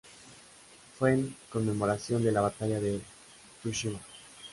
Fue en conmemoración de la Batalla de Tsushima.